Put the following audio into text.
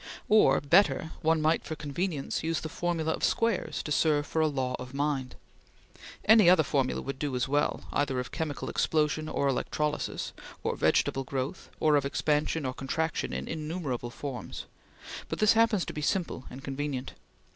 Or better, one might, for convenience, use the formula of squares to serve for a law of mind. Any other formula would do as well, either of chemical explosion, or electrolysis, or vegetable growth, or of expansion or contraction in innumerable forms; but this happens to be simple and convenient.